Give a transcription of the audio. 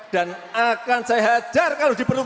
dan akan saya hajar kalau diperlukan